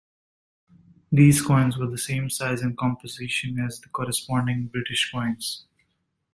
These coins were the same size and composition as the corresponding British coins.